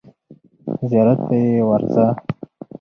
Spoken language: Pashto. زیارت ته یې ورځه.